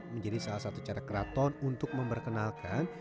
menjadi salah satu cara keraton untuk memperkenalkan